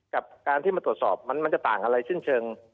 กับการที่มาตรวจสอบมันจะต่างอะไรสิ้นเชิง